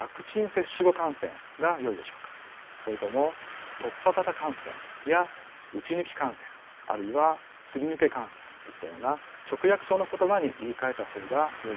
それとも突破型感染や打ち抜き感染あるいはすり抜け感染といったような直訳調の言葉に言いかえた方がよいでしょうか。